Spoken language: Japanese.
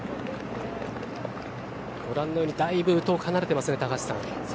ご覧のようにだいぶ遠く離れてますね。